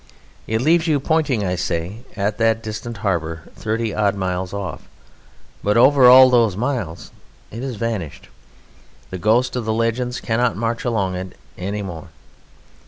It leaves you pointing, I say, at that distant harbour, thirty odd miles off, but over all those miles it has vanished. The ghost of the legends cannot march along it any more.